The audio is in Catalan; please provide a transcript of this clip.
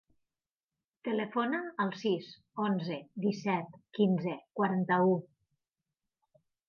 Telefona al sis, onze, disset, quinze, quaranta-u.